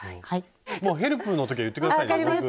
もうヘルプの時は言って下さいよ。